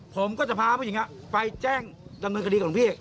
ผมก็จะพาผู้หญิงไปแจ้งดำเนินคดีกับหลวงพี่